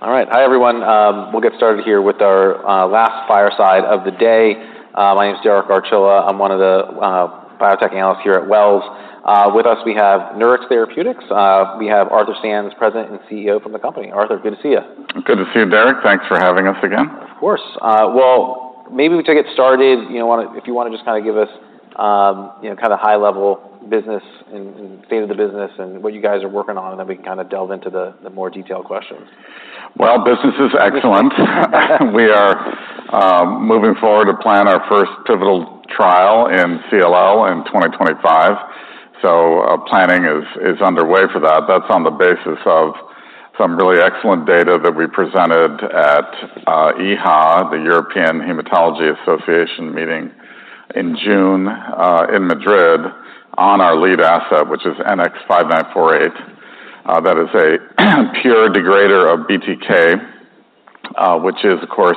All right. Hi, everyone. We'll get started here with our last fireside of the day. My name is Derek Archila. I'm one of the biotech analysts here at Wells. With us, we have Nurix Therapeutics. We have Arthur Sands, President and CEO from the company. Arthur, good to see you. Good to see you, Derek. Thanks for having us again. Of course. Well, maybe to get started, you know, if you wanna just kind of give us, you know, kind of high-level business and state of the business and what you guys are working on, and then we can kind of delve into the more detailed questions. Well, business is excellent. We are moving forward to plan our first pivotal trial in CLL in 2025, so planning is underway for that. That's on the basis of some really excellent data that we presented at EHA, the European Hematology Association meeting, in June in Madrid, on our lead asset, which is NX-5948. That is a pure degrader of BTK, which is, of course,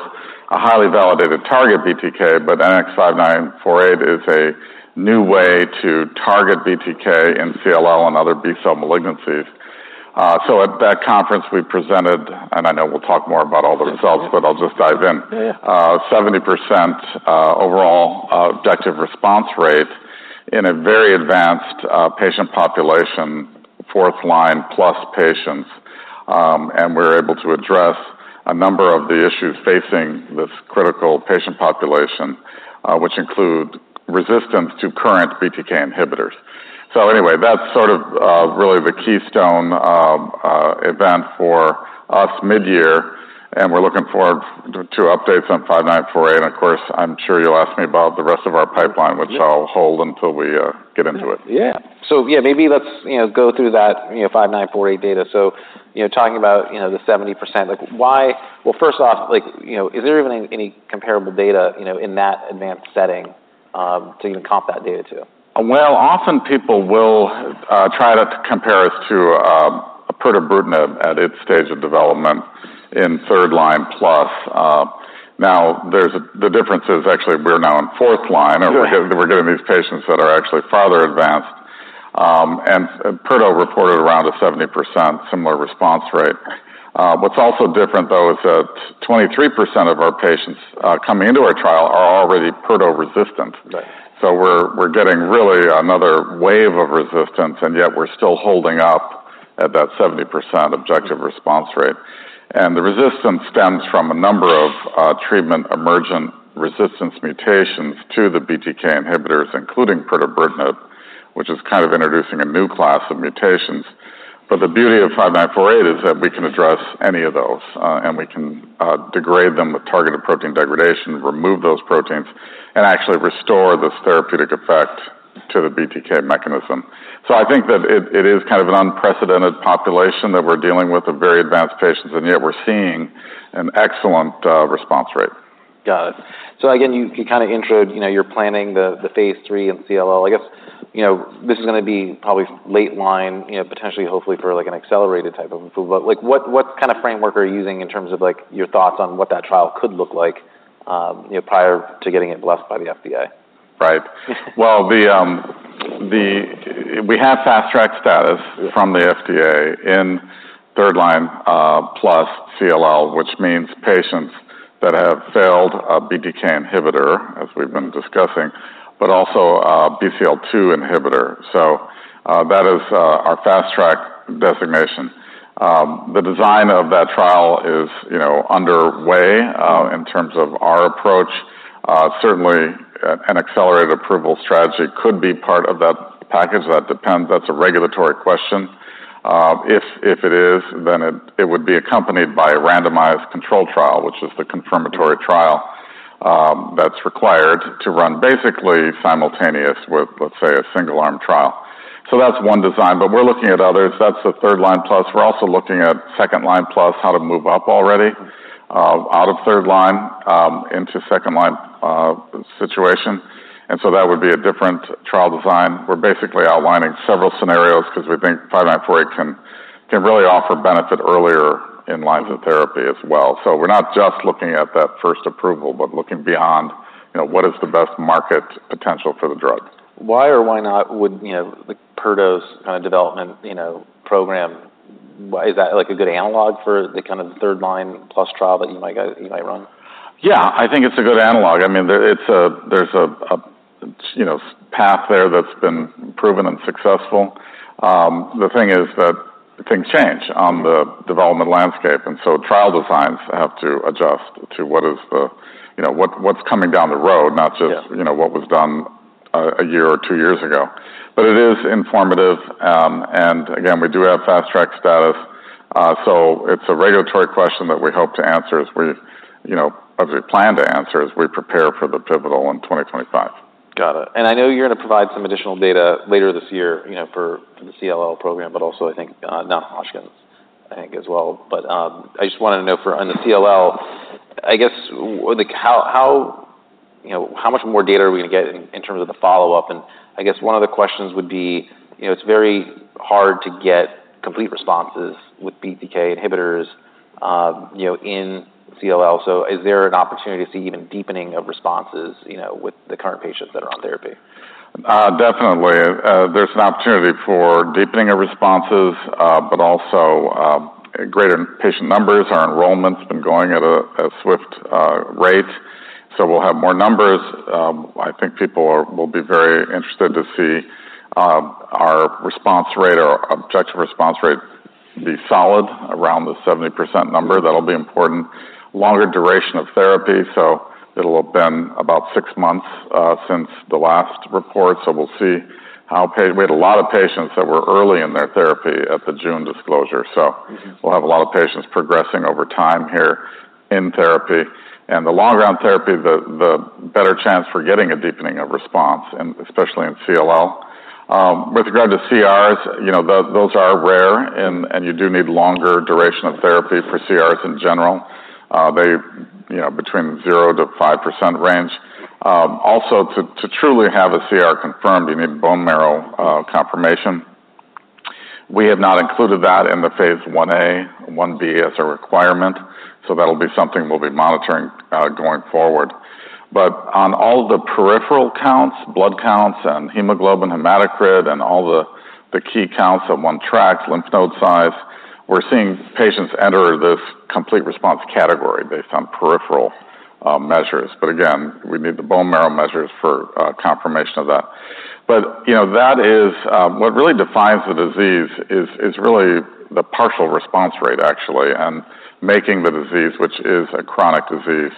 a highly validated target, BTK, but NX-5948 is a new way to target BTK in CLL and other B-cell malignancies. So at that conference, we presented, and I know we'll talk more about all the results- Yeah. But I'll just dive in. Yeah. 70% overall objective response rate in a very advanced patient population, fourth line-plus patients, and we're able to address a number of the issues facing this critical patient population, which include resistance to current BTK inhibitors, so anyway, that's sort of really the keystone event for us midyear, and we're looking forward to updates on NX-5948, and of course, I'm sure you'll ask me about the rest of our pipeline- Yeah. - which I'll hold until we get into it. Yeah. So yeah, maybe let's, you know, go through that, you know, five nine four eight data. So, you know, talking about, you know, the 70%, like, why... Well, first off, like, you know, is there even any comparable data, you know, in that advanced setting, to even comp that data to? Often people will try to compare us to pirtobrutinib at its stage of development in third line plus. Now, the difference is, actually, we're now in fourth line. Yeah. And we're getting these patients that are actually farther advanced, and pirtobrutinib reported around a 70% similar response rate. What's also different, though, is that 23% of our patients coming into our trial are already pirtobrutinib resistant. Right. So we're getting really another wave of resistance, and yet we're still holding up at that 70% objective response rate. And the resistance stems from a number of treatment-emergent resistance mutations to the BTK inhibitors, including Pirtobrutinib, which is kind of introducing a new class of mutations. But the beauty of NX-5948 is that we can address any of those, and we can degrade them with targeted protein degradation, remove those proteins, and actually restore this therapeutic effect to the BTK mechanism. So I think that it is kind of an unprecedented population that we're dealing with, of very advanced patients, and yet we're seeing an excellent response rate. Got it. So again, you, you kind of introduced, you know, you're planning the, the phase III in CLL. I guess, you know, this is gonna be probably late line, you know, potentially, hopefully for, like, an accelerated type of approval. But, like, what, what kind of framework are you using in terms of, like, your thoughts on what that trial could look like, you know, prior to getting it blessed by the FDA? Right. Well, we have Fast Track status- Yeah from the FDA in third line plus CLL, which means patients that have failed a BTK inhibitor, as we've been discussing, but also BCL-2 inhibitor, so that is our Fast Track designation. The design of that trial is, you know, underway. In terms of our approach, certainly an Accelerated Approval strategy could be part of that package. That depends. That's a regulatory question. If it is, then it would be accompanied by a randomized controlled trial, which is the confirmatory trial, that's required to run basically simultaneous with, let's say, a single-arm trial. So that's one design, but we're looking at others. That's the third line plus. We're also looking at second line plus, how to move up already out of third line into second line situation, and so that would be a different trial design. We're basically outlining several scenarios 'cause we think five nine four eight can really offer benefit earlier in lines of therapy as well. So we're not just looking at that first approval, but looking beyond, you know, what is the best market potential for the drug? Why or why not would, you know, like, pirtobrutinib's kind of development, you know, program, why is that, like, a good analog for the kind of third-line plus trial that you might go, you might run? Yeah, I think it's a good analog. I mean, there's a path there that's been proven and successful. The thing is that things change on the development landscape, and so trial designs have to adjust to what, you know, what's coming down the road, not just- Yeah... you know, what was done, a year or two years ago. But it is informative, and again, we do have Fast Track status, so it's a regulatory question that we hope to answer as we, you know, as we plan to answer, as we prepare for the pivotal in twenty twenty-five. Got it, and I know you're gonna provide some additional data later this year, you know, for the CLL program, but also, I think, non-Hodgkin's, I think, as well. But I just wanted to know for on the CLL, I guess, like, how you know, how much more data are we gonna get in terms of the follow-up? And I guess one of the questions would be, you know, it's very hard to get complete responses with BTK inhibitors, you know, in CLL. So is there an opportunity to see even deepening of responses, you know, with the current patients that are on therapy?... Definitely, there's an opportunity for deepening of responses, but also, greater patient numbers. Our enrollment's been going at a swift rate, so we'll have more numbers. I think people will be very interested to see our response rate or objective response rate be solid around the 70% number. That'll be important. Longer duration of therapy, so it'll have been about six months since the last report. So we'll see how. We had a lot of patients that were early in their therapy at the June disclosure. So- We'll have a lot of patients progressing over time here in therapy. The longer on therapy, the better chance for getting a deepening of response, and especially in CLL. With regard to CRs, you know, those are rare, and you do need longer duration of therapy for CRs in general. They, you know, are in the 0%-5% range. Also, to truly have a CR confirmed, you need bone marrow confirmation. We have not included that in the phase I-A/I-B as a requirement, so that'll be something we'll be monitoring going forward. But on all the peripheral counts, blood counts, and hemoglobin, hematocrit, and all the key counts that one tracks, lymph node size, we're seeing patients enter this complete response category based on peripheral measures. But again, we need the bone marrow measures for confirmation of that. But, you know, that is what really defines the disease is really the partial response rate, actually, and making the disease, which is a chronic disease,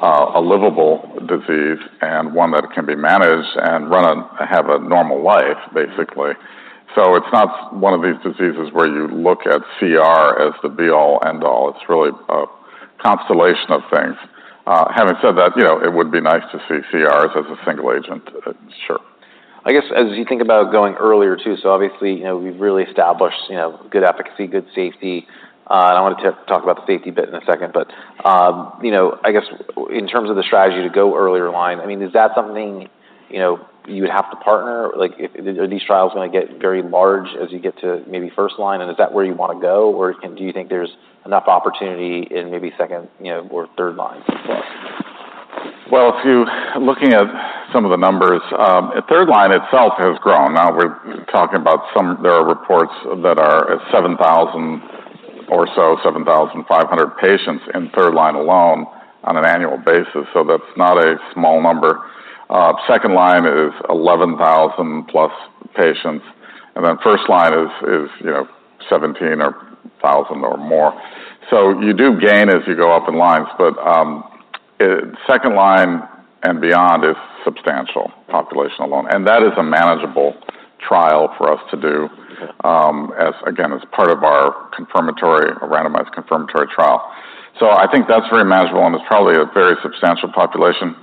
a livable disease and one that can be managed and run and have a normal life, basically. So it's not one of these diseases where you look at CR as the be all, end all. It's really a constellation of things. Having said that, you know, it would be nice to see CRs as a single agent. Sure. I guess, as you think about going earlier, too, so obviously, you know, we've really established, you know, good efficacy, good safety, and I want to talk about the safety bit in a second, but, you know, I guess in terms of the strategy to go earlier in line, I mean, is that something, you know, you would have to partner? Like, if... Are these trials going to get very large as you get to maybe first line, and is that where you want to go? Or do you think there's enough opportunity in maybe second, you know, or third line as well? If you're looking at some of the numbers, third line itself has grown. Now we're talking about there are reports that are at seven thousand or so, seven thousand five hundred patients in third line alone on an annual basis, so that's not a small number. Second line is eleven thousand plus patients, and then first line is, you know, seventeen thousand or more. So you do gain as you go up in lines, but second line and beyond is substantial population alone, and that is a manageable trial for us to do. Okay. as part of our confirmatory, randomized confirmatory trial. So I think that's very manageable, and it's probably a very substantial population.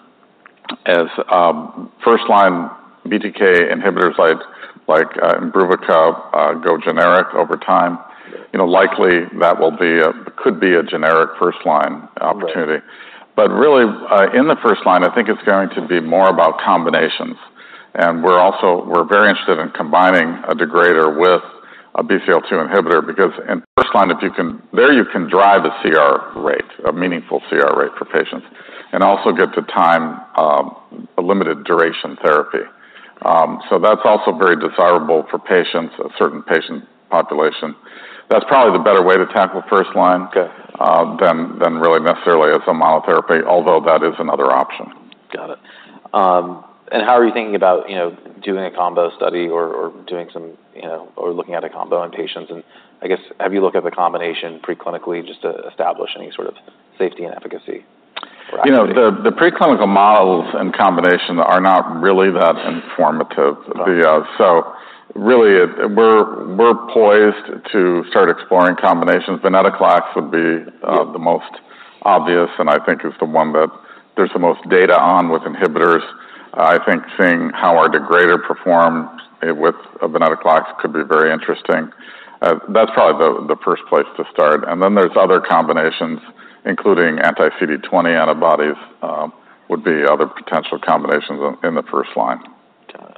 As first line BTK inhibitors like Imbruvica go generic over time, you know, likely that will be a could be a generic first line opportunity. Right. But really, in the first line, I think it's going to be more about combinations. And we're also very interested in combining a degrader with a BCL-2 inhibitor, because in first line, there you can drive a CR rate, a meaningful CR rate for patients, and also get to time, a limited duration therapy. So that's also very desirable for patients, a certain patient population. That's probably the better way to tackle first line. Okay. than really necessarily as a monotherapy, although that is another option. Got it. And how are you thinking about, you know, doing a combo study or, or doing some, you know, or looking at a combo in patients? And I guess, have you looked at the combination preclinically just to establish any sort of safety and efficacy or activity? You know, the preclinical models and combination are not really that informative. Okay. So really, we're poised to start exploring combinations. Venetoclax would be the most obvious, and I think is the one that there's the most data on with inhibitors. I think seeing how our degrader performs with a Venetoclax could be very interesting. That's probably the first place to start. And then there's other combinations, including anti-CD20 antibodies, would be other potential combinations in the first line. Got it.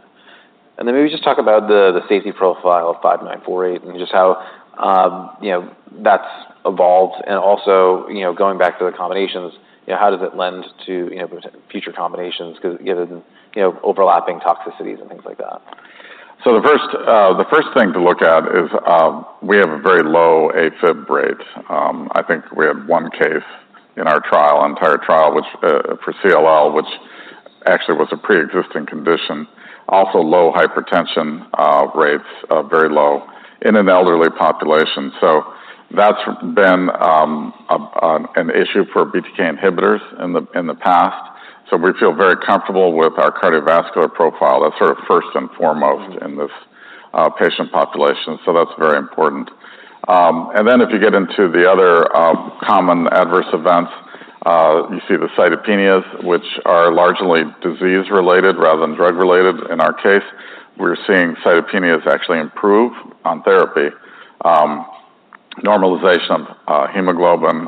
And then maybe just talk about the safety profile of NX-5948, and just how, you know, that's evolved. And also, you know, going back to the combinations, you know, how does it lend to, you know, future combinations because, given, you know, overlapping toxicities and things like that? So the first thing to look at is we have a very low AFib rate. I think we have one case in our trial, entire trial, which for CLL actually was a preexisting condition. Also low hypertension rates very low in an elderly population. So that's been an issue for BTK inhibitors in the past. So we feel very comfortable with our cardiovascular profile. That's sort of first and foremost. Mm-hmm. In this patient population, so that's very important. And then if you get into the other common adverse events, you see the cytopenias, which are largely disease related rather than drug related. In our case, we're seeing cytopenias actually improve on therapy, normalization of hemoglobin,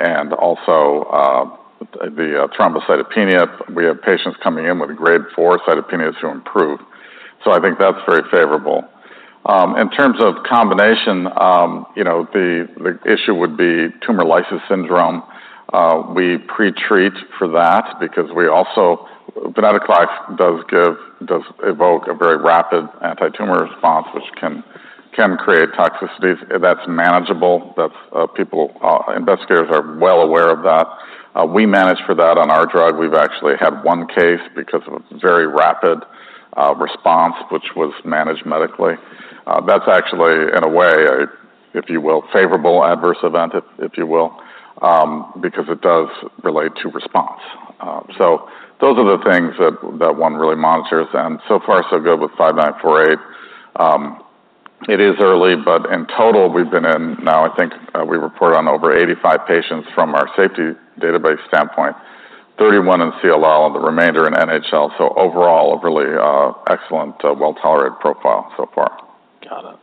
and also the thrombocytopenia. We have patients coming in with grade four cytopenias who improve, so I think that's very favorable. In terms of combination, you know, the issue would be tumor lysis syndrome. We pretreat for that because we also Venetoclax does evoke a very rapid antitumor response, which can create toxicities that's manageable. That's, people, investigators are well aware of that. We manage for that on our drug. We've actually had one case because of a very rapid response, which was managed medically. That's actually, in a way, if you will, a favorable adverse event, if you will, because it does relate to response. So those are the things that one really monitors, and so far so good with NX-5948. It is early, but in total, we've been in now, I think, we reported on over 85 patients from our safety database standpoint, 31 in CLL, and the remainder in NHL, so overall, a really excellent, well-tolerated profile so far. Got it.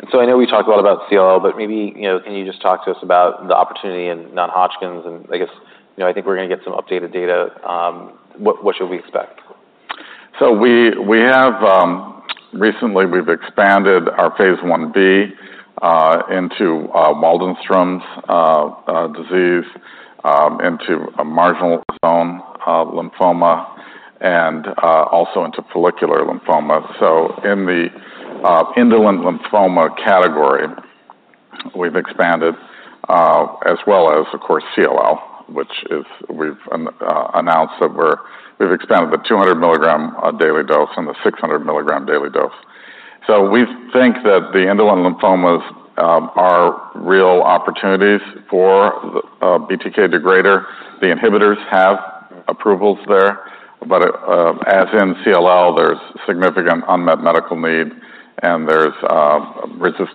And so I know we talked a lot about CLL, but maybe, you know, can you just talk to us about the opportunity in non-Hodgkin's? And I guess, you know, I think we're gonna get some updated data. What should we expect? So we have recently expanded our phase I-B into Waldenstrom's disease, into marginal zone lymphoma, and also into follicular lymphoma. So in the indolent lymphoma category, we've expanded as well as, of course, CLL, which we've announced that we've expanded the 200 milligram daily dose and the 600 milligram daily dose. So we think that the indolent lymphomas are real opportunities for BTK degrader. The inhibitors have approvals there, but as in CLL, there's significant unmet medical need, and there's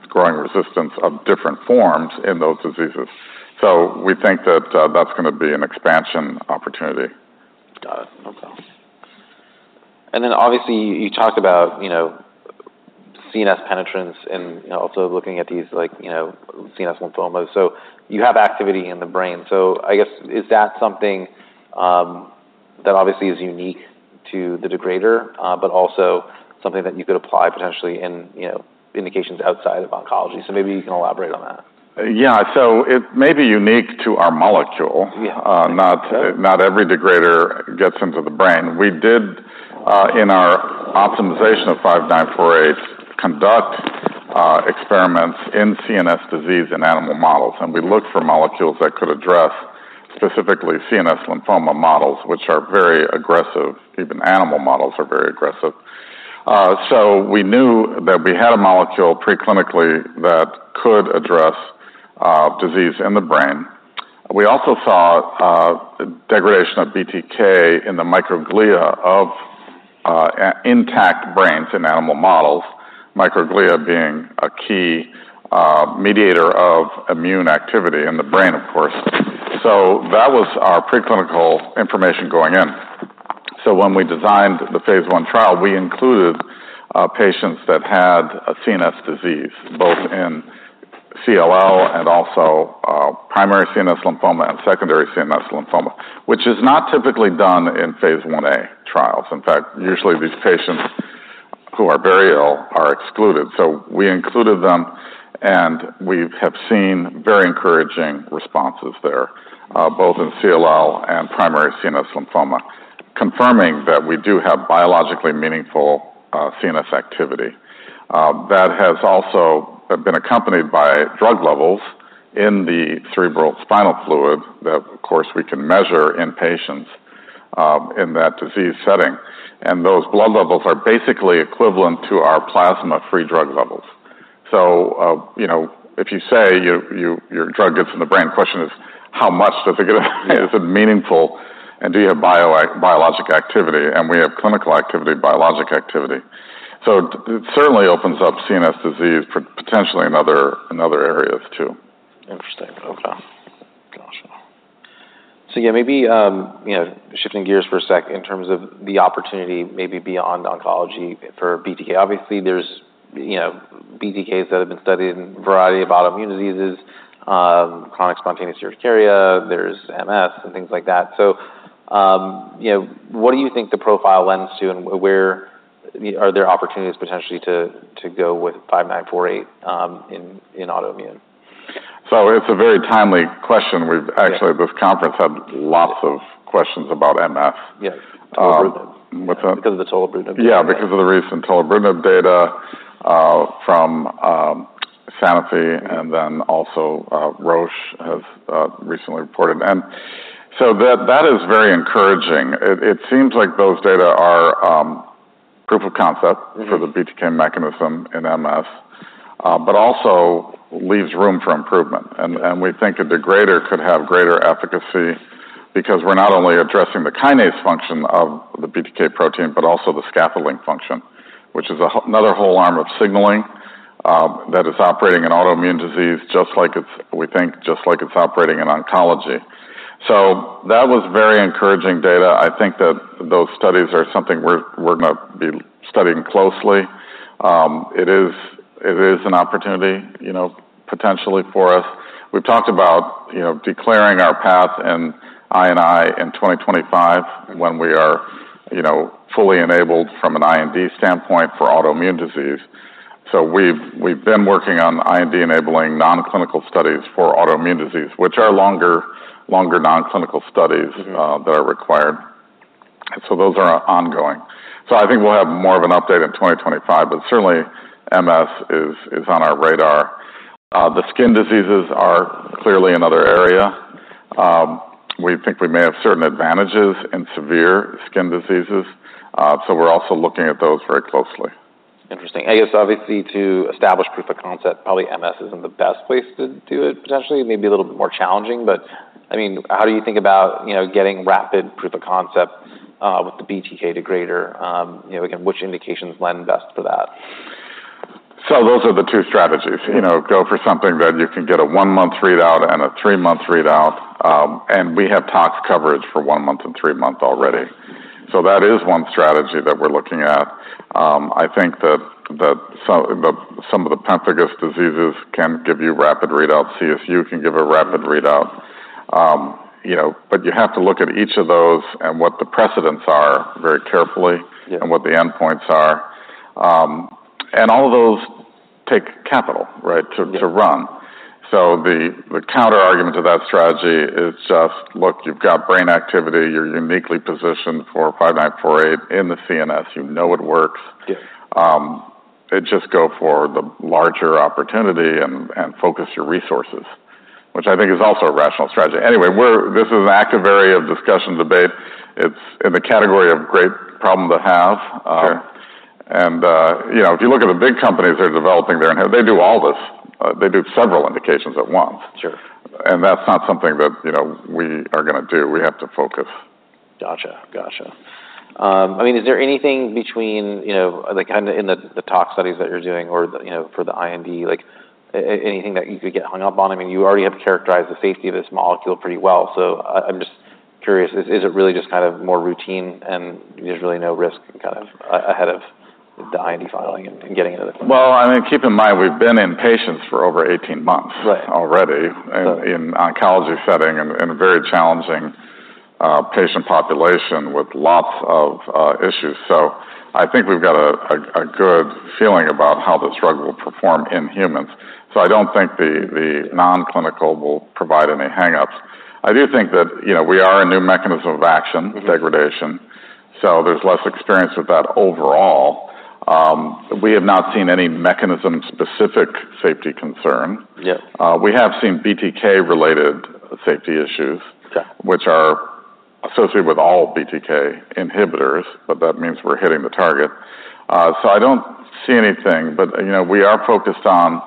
growing resistance of different forms in those diseases. So we think that that's gonna be an expansion opportunity. Got it. Okay. And then obviously, you talked about, you know, CNS penetrance and, you know, also looking at these like, you know, CNS lymphomas. So you have activity in the brain. So I guess, is that something, that obviously is unique to the degrader, but also something that you could apply potentially in, you know, indications outside of oncology? So maybe you can elaborate on that. Yeah, so it may be unique to our molecule. Yeah. Not every degrader gets into the brain. We did, in our optimization of five nine four eight, conduct experiments in CNS disease in animal models, and we looked for molecules that could address specifically CNS lymphoma models, which are very aggressive. Even animal models are very aggressive. So we knew that we had a molecule preclinically that could address disease in the brain. We also saw degradation of BTK in the microglia of intact brains in animal models, microglia being a key mediator of immune activity in the brain, of course. So that was our preclinical information going in. So when we designed the phase I trial, we included patients that had a CNS disease, both in CLL and also primary CNS lymphoma and secondary CNS lymphoma, which is not typically done in phase I-A trials. In fact, usually, these patients who are very ill are excluded, so we included them, and we have seen very encouraging responses there, both in CLL and primary CNS lymphoma, confirming that we do have biologically meaningful, CNS activity. That has also have been accompanied by drug levels in the cerebrospinal fluid that, of course, we can measure in patients, in that disease setting, and those blood levels are basically equivalent to our plasma-free drug levels. So, you know, if you say, your drug gets in the brain, question is: How much does it get in the brain? Is it meaningful, and do you have biologic activity? And we have clinical activity, biologic activity. So it certainly opens up CNS disease for potentially in other areas, too. Interesting. Okay. Gotcha. So yeah, maybe, you know, shifting gears for a sec, in terms of the opportunity, maybe beyond oncology for BTK. Obviously, there's, you know, BTKs that have been studied in a variety of autoimmune diseases, chronic spontaneous urticaria, there's MS, and things like that. So, you know, what do you think the profile lends to, and where... are there opportunities potentially to go with five nine four eight, in autoimmune? It's a ry timely question. Yeah. We've actually, this conference had lots of questions about MS. Because of the tolebrutinib. Yeah, because of the recent Tolebrutinib data from Sanofi, and then also Roche has recently reported. And so that is very encouraging. It seems like those data are proof of concept- Mm-hmm. For the BTK mechanism in MS, but also leaves room for improvement. And we think a degrader could have greater efficacy because we're not only addressing the kinase function of the BTK protein, but also the scaffolding function, which is another whole arm of signaling that is operating in autoimmune disease, just like it's operating in oncology. So that was very encouraging data. I think that those studies are something we're gonna be studying closely. It is an opportunity, you know, potentially for us. We've talked about, you know, declaring our path in I&I in 2025, when we are, you know, fully enabled from an IND standpoint for autoimmune disease. So we've been working on IND-enabling non-clinical studies for autoimmune disease, which are longer non-clinical studies. Mm-hmm. That are required. Those are ongoing. I think we'll have more of an update in 2025, but certainly MS is on our radar. The skin diseases are clearly another area. We think we may have certain advantages in severe skin diseases, so we're also looking at those very closely. Interesting. I guess obviously, to establish proof of concept, probably MS isn't the best place to do it. Potentially, it may be a little bit more challenging, but, I mean, how do you think about, you know, getting rapid proof of concept, with the BTK degrader? You know, again, which indications lend best to that? So those are the two strategies. You know, go for something that you can get a one-month readout and a three-month readout, and we have tox coverage for one month and three months already. So that is one strategy that we're looking at. I think that some of the pemphigus diseases can give you rapid readout. CSU can give a rapid readout. You know, but you have to look at each of those and what the precedents are very carefully. Yeah... and what the endpoints are, and all of those take capital, right, to run. So the counterargument to that strategy is just, look, you've got brain activity. You're uniquely positioned for NX-5948 in the CNS. You know it works. Yeah. And just go for the larger opportunity and focus your resources, which I think is also a rational strategy. Anyway, this is an active area of discussion, debate. It's in the category of great problem to have. Sure. You know, if you look at the big companies that are developing their own, they do all this. They do several indications at once. Sure. And that's not something that, you know, we are gonna do. We have to focus. Gotcha. Gotcha. I mean, is there anything between, you know, like, kind of in the tox studies that you're doing or, you know, for the IND, like anything that you could get hung up on? I mean, you already have characterized the safety of this molecule pretty well. So I'm just curious, is it really just kind of more routine and there's really no risk kind of ahead of the IND filing and getting into the clinic? I mean, keep in mind, we've been in patients for over eighteen months. Right... already in oncology setting and in a very challenging patient population with lots of issues. So I think we've got a good feeling about how this drug will perform in humans. So I don't think the non-clinical will provide any hang-ups. I do think that, you know, we are a new mechanism of action- Mm-hmm... degradation, so there's less experience with that overall. We have not seen any mechanism-specific safety concern. Yeah. We have seen BTK-related safety issues- Okay... which are associated with all BTK inhibitors, but that means we're hitting the target. So I don't see anything but, you know, we are focused on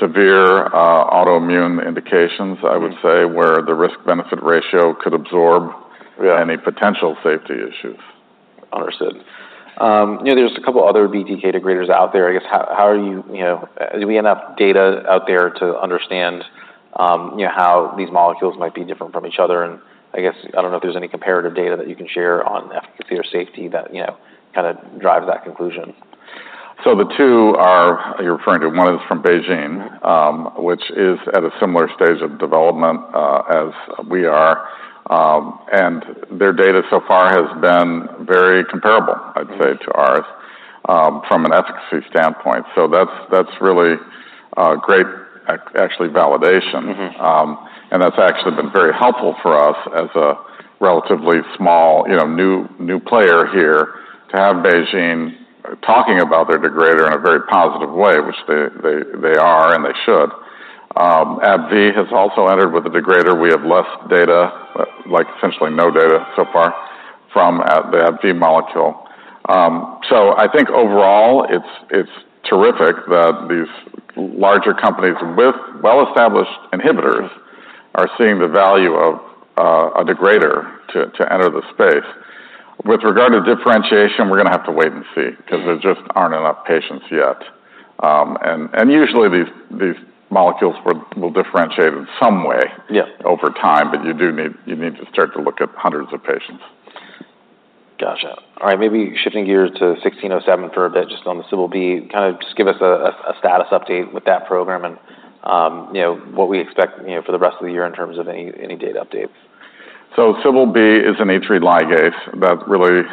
severe autoimmune indications, I would say... where the risk-benefit ratio could absorb- Yeah... any potential safety issues. Understood. You know, there's a couple other BTK degraders out there. I guess, how are you... You know, do we have enough data out there to understand, you know, how these molecules might be different from each other? And I guess, I don't know if there's any comparative data that you can share on efficacy or safety that, you know, kind of drives that conclusion. So the two are... You're referring to, one is from BeiGene-... which is at a similar stage of development, as we are. And their data so far has been very comparable-... I'd say, to ours, from an efficacy standpoint. So that's really great, actually, validation. Mm-hmm. And that's actually been very helpful for us as a relatively small, you know, new player here, to have BeiGene talking about their degrader in a very positive way, which they are, and they should. AbbVie has also entered with a degrader. We have less data, like essentially no data so far from the AbbVie molecule. So I think overall, it's terrific that these larger companies with well-established inhibitors are seeing the value of a degrader to enter the space. With regard to differentiation, we're gonna have to wait and see-... because there just aren't enough patients yet. And usually these molecules will differentiate in some way- Yeah... over time, but you need to start to look at hundreds of patients. Gotcha. All right, maybe shifting gears to NX-1607 for a bit, just on the Cbl-b. Kind of just give us a status update with that program and, you know, what we expect, you know, for the rest of the year in terms of any date updates. So Cbl-b is an E3 ligase that really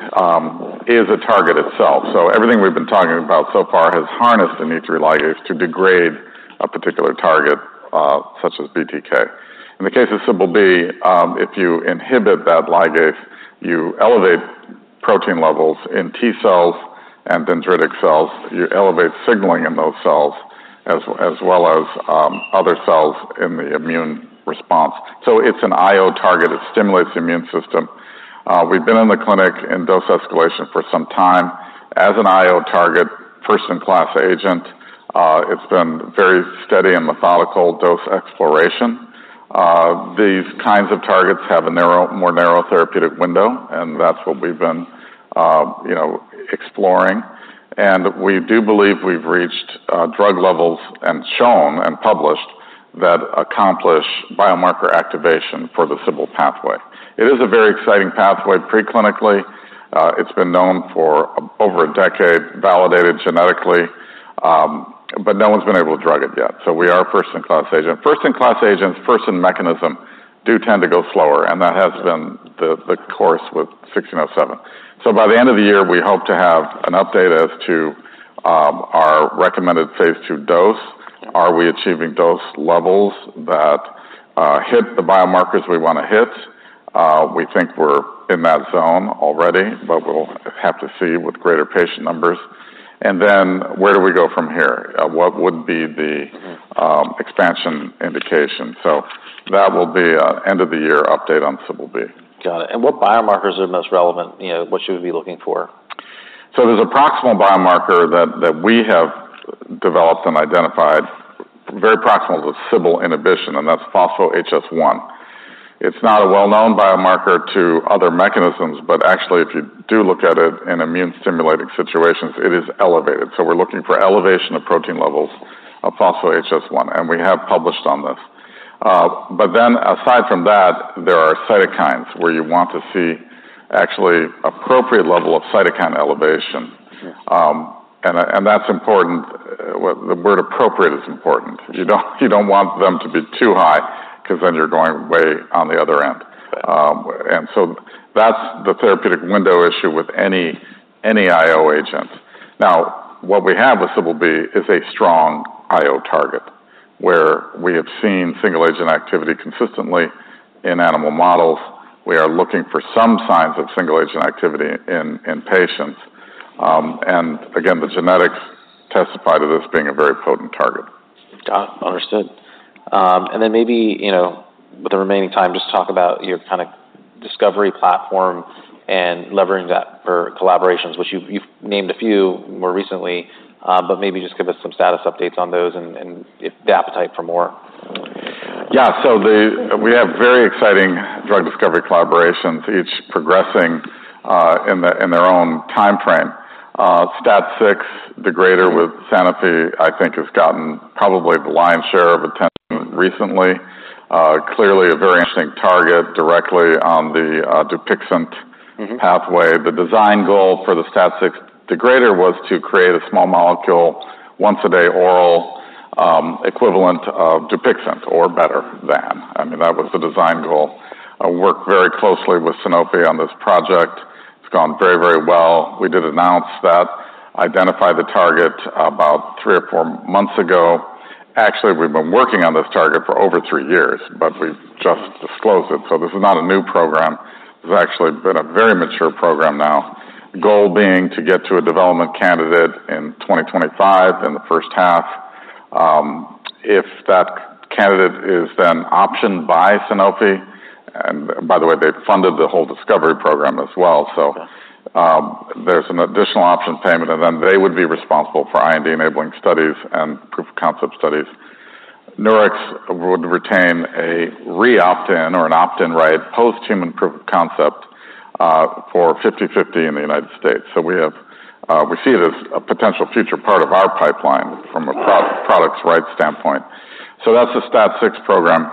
is a target itself. So everything we've been talking about so far has harnessed an E3 ligase to degrade a particular target such as BTK. In the case of Cbl-b, if you inhibit that ligase, you elevate protein levels in T cells and dendritic cells. You elevate signaling in those cells, as well as other cells in the immune response. So it's an IO target. It stimulates the immune system. We've been in the clinic in dose escalation for some time. As an IO target, first-in-class agent, it's been very steady and methodical dose exploration. These kinds of targets have a narrow, more therapeutic window, and that's what we've been you know exploring. And we do believe we've reached drug levels and shown and published that accomplish-... biomarker activation for the Cbl-b pathway. It is a very exciting pathway pre-clinically. It's been known for over a decade, validated genetically, but no one's been able to drug it yet. So we are a first-in-class agent. First-in-class agents, first in mechanism, do tend to go slower, and that has been the course with NX-1607. So by the end of the year, we hope to have an update as to our recommended phase two dose. Are we achieving dose levels that hit the biomarkers we want to hit? We think we're in that zone already, but we'll have to see with greater patient numbers. And then where do we go from here? What would be the- Mm-hmm. expansion indication? So that will be an end of the year update on Cbl-b. Got it. And what biomarkers are most relevant, you know, what should we be looking for? So there's a proximal biomarker that we have developed and identified, very proximal to Cbl-b inhibition, and that's phospho-HS1. It's not a well-known biomarker to other mechanisms, but actually if you do look at it in immune-stimulating situations, it is elevated. So we're looking for elevation of protein levels of phospho-HS1, and we have published on this. But then aside from that, there are cytokines where you want to see actually appropriate level of cytokine elevation. Yeah. And that's important. The word appropriate is important. You don't want them to be too high, because then you're going way on the other end. Right. And so that's the therapeutic window issue with any IO agent. Now, what we have with Cbl-b is a strong IO target, where we have seen single agent activity consistently in animal models. We are looking for some signs of single agent activity in patients. And again, the genetics testify to this being a very potent target. Got it. Understood, and then maybe, you know, with the remaining time, just talk about your kind of discovery platform and leveraging that for collaborations, which you've, you've named a few more recently, but maybe just give us some status updates on those and, and the appetite for more. Yeah. So we have very exciting drug discovery collaborations, each progressing in their own timeframe. STAT6 degrader with Sanofi, I think, has gotten probably the lion's share of attention recently. Clearly a very interesting target directly on the Dupixent- Mm-hmm pathway. The design goal for the STAT6 degrader was to create a small molecule, once a day oral, equivalent of Dupixent or better than. I mean, that was the design goal. I worked very closely with Sanofi on this project. It's gone very, very well. We did announce that, identified the target about three or four months ago. Actually, we've been working on this target for over three years, but we've just disclosed it. So this is not a new program. This has actually been a very mature program now. The goal being to get to a development candidate in twenty twenty-five, in the first half. If that candidate is then optioned by Sanofi, and by the way, they funded the whole discovery program as well. So Yeah... there's an additional option payment, and then they would be responsible for IND-enabling studies and proof-of-concept studies. Nurix would retain a re-opt-in or an opt-in right post-human proof of concept, for fifty-fifty in the United States. So we have, we see it as a potential future part of our pipeline from a proprietary products standpoint. So that's the STAT6 program.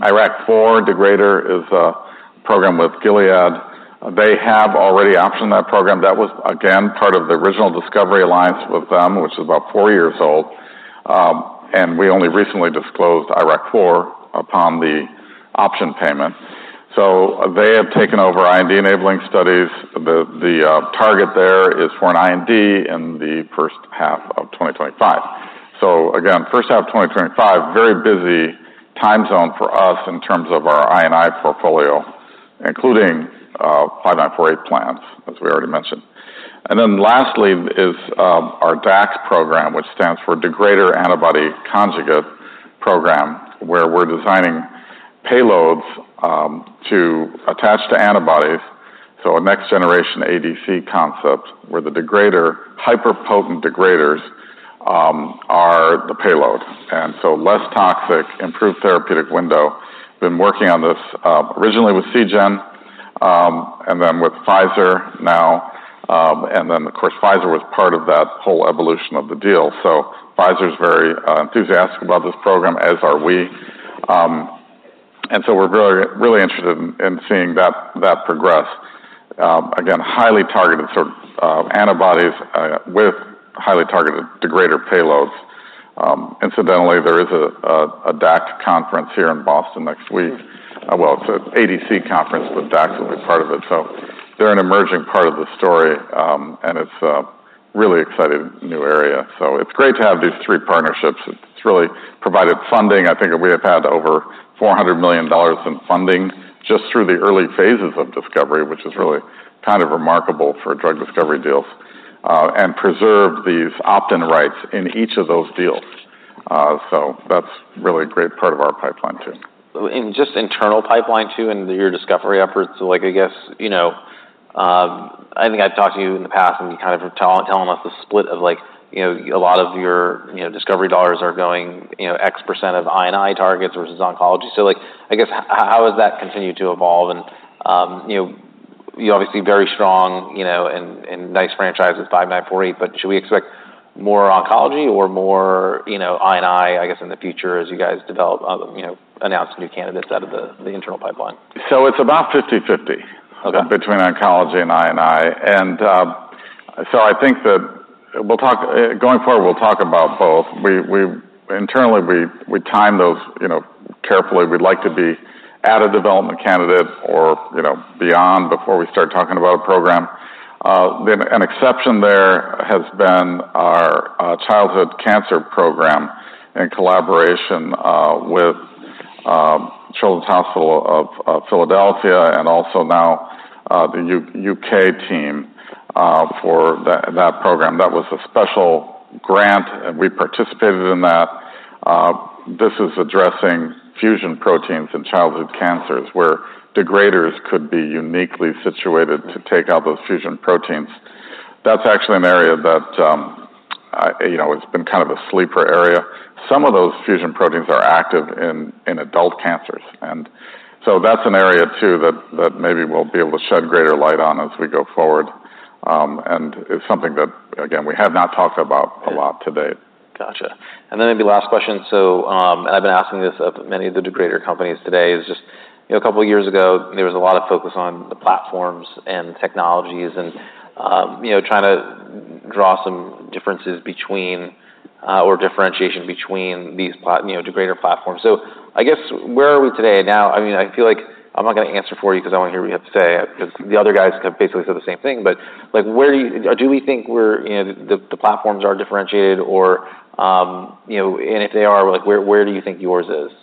IRAK4 degrader is a program with Gilead. They have already optioned that program. That was, again, part of the original discovery alliance with them, which is about four years old. And we only recently disclosed IRAK4 upon the option payment. So they have taken over IND-enabling studies. The target there is for an IND in the first half of twenty twenty-five. So again, first half of twenty twenty-five, very busy time zone for us in terms of our I&I portfolio, including five nine four eight plans, as we already mentioned. And then lastly is our DAC program, which stands for Degrader Antibody Conjugate program, where we're designing payloads to attach to antibodies. So a next generation ADC concept, where the degrader, hyper potent degraders, are the payload. And so less toxic, improved therapeutic window. Been working on this, originally with Seagen, and then with Pfizer now. And then, of course, Pfizer was part of that whole evolution of the deal. So Pfizer's very enthusiastic about this program, as are we. And so we're really interested in seeing that progress. Again, highly targeted sort of antibodies with highly targeted degrader payloads. Incidentally, there is a DAC conference here in Boston next week. It's an ADC conference, but DAC will be part of it. They're an emerging part of the story, and it's a really exciting new area. It's great to have these three partnerships. It's really provided funding. I think we have had over $400 million in funding just through the early phases of discovery, which is really kind of remarkable for drug discovery deals, and preserve these opt-in rights in each of those deals. That's really a great part of our pipeline, too. In just internal pipeline, too, and your discovery efforts, so like, I guess, you know, I think I've talked to you in the past, and you kind of telling us the split of like, you know, a lot of your, you know, discovery dollars are going, you know, X% of I&I targets versus oncology. So like, I guess, how does that continue to evolve? And, you know, you're obviously very strong, you know, and nice franchises, five, nine, forty. But should we expect more oncology or more, you know, I&I, I guess, in the future as you guys develop, you know, announce new candidates out of the internal pipeline? It's about 50/50- Okay. -between oncology and IO. And, so I think that we'll talk-- going forward, we'll talk about both. We internally time those, you know, carefully. We'd like to be at a development candidate or, you know, beyond, before we start talking about a program. The, an exception there has been our childhood cancer program in collaboration with Children's Hospital of Philadelphia and also now the U.K. team for that program. That was a special grant, and we participated in that. This is addressing fusion proteins in childhood cancers, where degraders could be uniquely situated to take out those fusion proteins. That's actually an area that, you know, it's been kind of a sleeper area. Some of those fusion proteins are active in adult cancers, and so that's an area too that maybe we'll be able to shed greater light on as we go forward. And it's something that, again, we have not talked about a lot to date. Gotcha. And then maybe last question. So, and I've been asking this of many of the degrader companies today, is just, you know, a couple of years ago, there was a lot of focus on the platforms and technologies and, you know, trying to draw some differences between, or differentiation between these degrader platforms. So I guess, where are we today? Now, I mean, I feel like I'm not gonna answer for you 'cause I wanna hear what you have to say, 'cause the other guys have basically said the same thing. But, like, where do you... Do we think we're, you know, the, the platforms are differentiated or, you know, and if they are, like, where, where do you think yours is?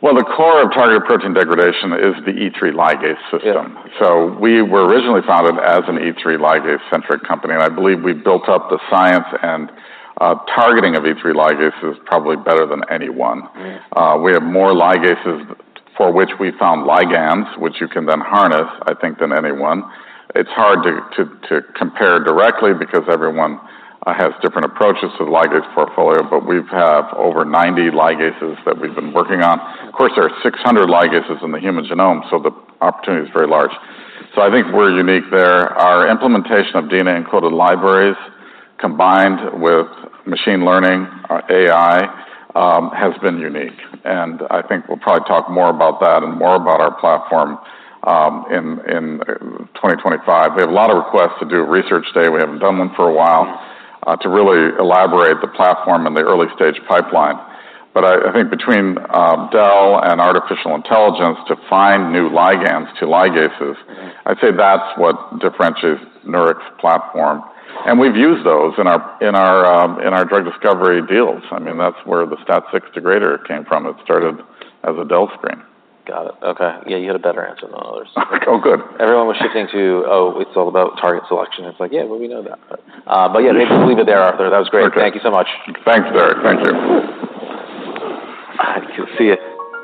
The core of targeted protein degradation is the E3 ligase system. Yeah. We were originally founded as an E3 ligase-centric company, and I believe we built up the science and targeting of E3 ligase is probably better than anyone. Yeah. We have more ligases for which we found ligands, which you can then harness, I think, than anyone. It's hard to compare directly because everyone has different approaches to the ligase portfolio, but we have over ninety ligases that we've been working on. Of course, there are six hundred ligases in the human genome, so the opportunity is very large. So I think we're unique there. Our implementation of DNA-encoded libraries, combined with machine learning, AI, has been unique, and I think we'll probably talk more about that and more about our platform in twenty twenty-five. We have a lot of requests to do a research day. We haven't done one for a while- Yeah ... to really elaborate the platform in the early-stage pipeline. But I think between DEL and artificial intelligence to find new ligands to ligases. Yeah I'd say that's what differentiates the Nurix platform. We've used those in our drug discovery deals. I mean, that's where the STAT6 degrader came from. It started as a DEL screen. Got it. Okay. Yeah, you had a better answer than others. Oh, good. Everyone was shifting to, "Oh, it's all about target selection." It's like, "Yeah, well, we know that." But, but yeah, maybe we'll leave it there, Arthur. That was great. Okay. Thank you so much. Thanks, Derek. Thank you. You'll see you.